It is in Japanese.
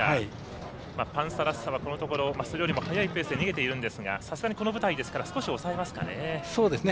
パンサラッサはこのところ速いペースで逃げてるんですがさすがに、この舞台ですから少し抑えますかね。